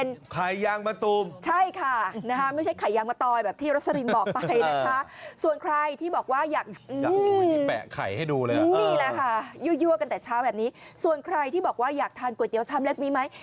นี่แหละค่ะยั่วกันแต่เช้าแบบนี้ส่วนใครที่บอกว่าอยากทานก๋วยเตี๋ชามเล็กมีไหม